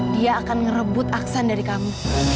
dia akan merebut aksan dari kamu